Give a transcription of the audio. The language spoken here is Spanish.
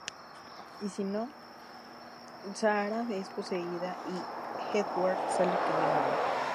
Y si no, Sarah es poseída y Edward sale caminando.